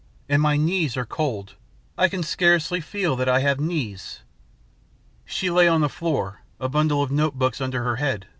And my knees are cold. I can scarcely feel that I have knees.' "She lay on the floor, a bundle of notebooks under her head.